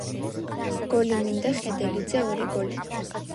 "გოლი მინდა, ხედელიძე, ორი გოლი''